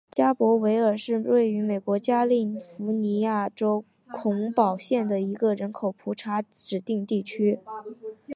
加伯维尔是位于美国加利福尼亚州洪堡县的一个人口普查指定地区。